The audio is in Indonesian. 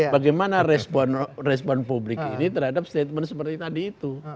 bagaimana respon publik ini terhadap statement seperti tadi itu